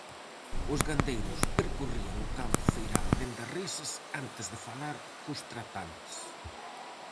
Os gandeiros percorrían o campo feiral vendo as reses, antes de falar cos tratantes.